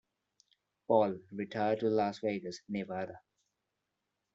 Paul retired to Las Vegas, Nevada.